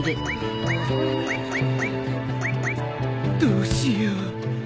どうしよう